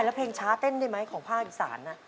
แล้วเพลงช้าเต้นได้ไหมของภาคอีสาน